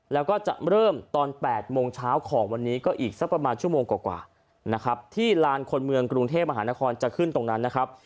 แล้วก็จะเริ่มตอน๘โมงเช้าของวันนี้ก็อีกสักประมาณชั่วโมงกว่านะครับที่ลานคนเมืองกรุงเทพมหานครจะขึ้นตรงนั้นนะครับ